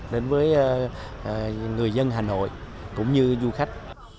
đến với người dân hà nội cũng như du khách